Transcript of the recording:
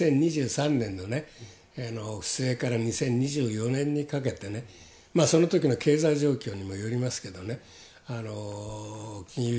２０２３年の末から２０２４年にかけてね、そのときの経済状況にもよりますけどね、金融